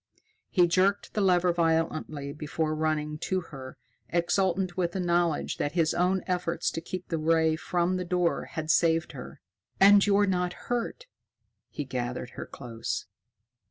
He jerked the lever violently before running to her, exultant with the knowledge that his own efforts to keep the ray from the door had saved her. "And you're not hurt!" He gathered her close.